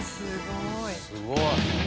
すごい。